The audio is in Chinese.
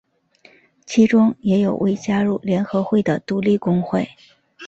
其中也有未加入联合会的独立工会。